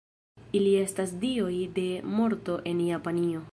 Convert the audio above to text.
Ili estas dioj de morto en Japanio.